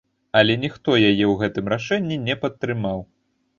Але ніхто яе ў гэтым рашэнні не падтрымаў.